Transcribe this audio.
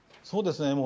そうですね。